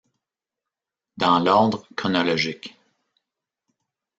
Dans l'ordre chronologique.